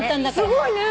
すごいね。